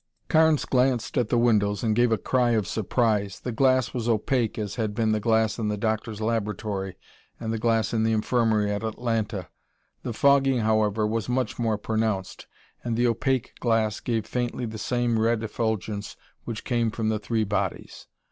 '" Carnes glanced at the windows and gave a cry of surprise. The glass was opaque, as had been the glass in the doctor's laboratory and the glass in the infirmary at Atlanta. The fogging however, was much more pronounced, and the opaque glass gave faintly the same red effulgence which came from the three bodies.